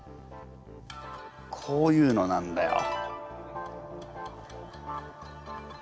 こういうのなんだよ。